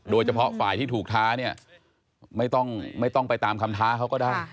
โดยเฉพาะฝ่ายที่ถูกท้าเนี่ยไม่ต้องไปตามคำท้าเขาก็ได้